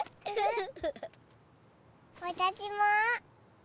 わたしも。